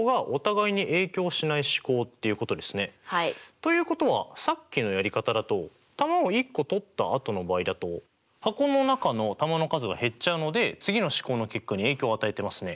ということはさっきのやり方だと球を１個取ったあとの場合だと箱の中の球の数が減っちゃうので次の試行の結果に影響を与えてますね。